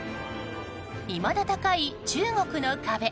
いまだ高い中国の壁。